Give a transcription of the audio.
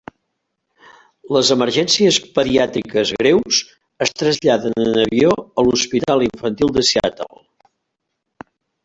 Les emergències pediàtriques greus es traslladen en avió a l'Hospital Infantil de Seattle.